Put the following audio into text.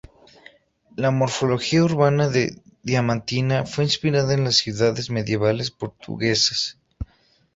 La morfología urbana de Diamantina fue inspirada en las ciudades medievales portuguesas.